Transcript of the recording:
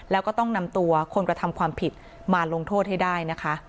แล้วก็ต้องนำตัวคนกระทำความผิดมาลงโทษให้ได้นะคะ